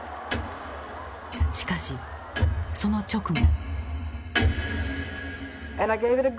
しかしその直後。